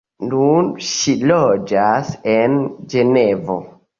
Nun ŝi loĝas en Ĝenevo.